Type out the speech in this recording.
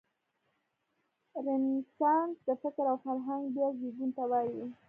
رنسانس د فکر او فرهنګ بیا زېږون ته وايي.